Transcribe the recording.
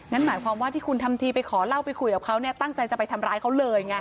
นั่นหมายความว่าที่คุณทำทีไปขอเล่าไปคุยกับเขาเนี่ยตั้งใจจะไปทำร้ายเขาเลยไง